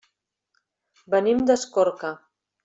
Venim d'Escorca.